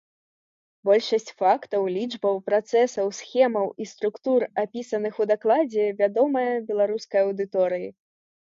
Большасць фактаў, лічбаў, працэсаў, схемаў і структур, апісаных у дакладзе, вядомая беларускай аўдыторыі.